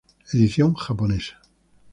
Edición japonesa